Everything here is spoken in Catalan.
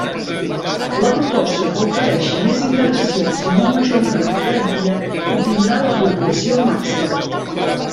La proposta que ofereixi més integracions i amb un major nivell de garantia obtindrà la puntuació màxima.